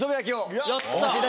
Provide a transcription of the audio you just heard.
やった！